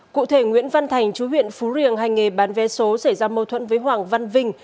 cụ thể nguyễn văn thành chú huyện phú riềng hành nghề bán vé số xảy ra mâu thuẫn với hoàng văn vinh